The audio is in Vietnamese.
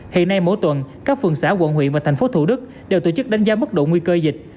hiện nay mỗi tuần các phường xã quận huyện và thành phố thủ đức đều tổ chức đánh giá mức độ nguy cơ dịch